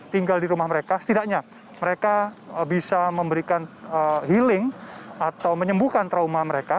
tinggal di rumah mereka setidaknya mereka bisa memberikan healing atau menyembuhkan trauma mereka